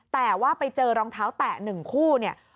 แต่ว่าไปเจอรองเท้าแตะ๑คู่เนี่ย